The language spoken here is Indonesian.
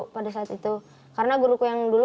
pada saat itu karena guruku yang dulu